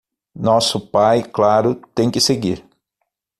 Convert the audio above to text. Nosso pai, claro, tem que seguir.